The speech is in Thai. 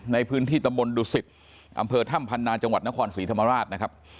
ในพื้นที่ตำบลดุสิตอำเภอถ้ำพันนาจังหวัดนครศรีธรรมราชนะครับ